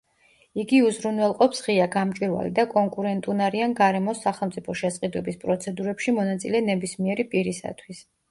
იგი უზრუნველყოფს ღია, გამჭვირვალე და კონკურენტუნარიან გარემოს სახელმწიფო შესყიდვების პროცედურებში მონაწილე ნებისმიერი პირისათვის.